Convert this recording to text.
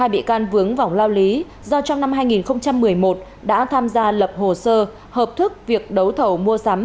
một mươi bị can vướng vòng lao lý do trong năm hai nghìn một mươi một đã tham gia lập hồ sơ hợp thức việc đấu thầu mua sắm